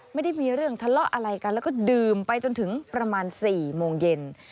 ไม่ได้มีเรื่องทะเลาะอะไรกันแล้วก็ดื่มไปจนถึงประมาณ๔โมงเย็น